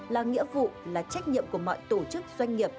là nghĩa vụ là trách nhiệm của mọi tổ chức doanh nghiệp